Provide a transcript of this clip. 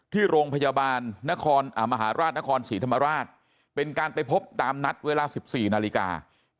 ที่โรงพยาบาลมหาราชนครศรีธรรมราชเป็นการไปพบตามนัดเวลา๑๔นาฬิกา